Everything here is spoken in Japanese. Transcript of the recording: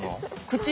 口？